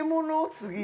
次。